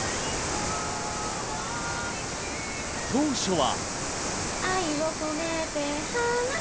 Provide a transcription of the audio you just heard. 当初は。